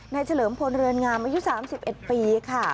เฉลิมพลเรือนงามอายุ๓๑ปีค่ะ